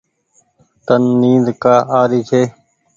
تن نيد ڪآ آري ڇي ۔